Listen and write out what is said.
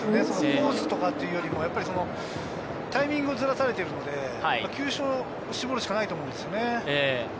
コースとかっていうよりもタイミングをずらされてるので、球種を絞るしかないと思うんですよね。